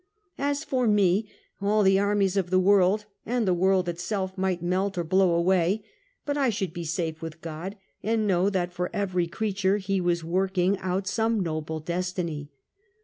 As for me, all the armies of the world, and the world itself might melt or blow away, but I should be safe with God, and know that for every creature He was work ing out some noble destiny.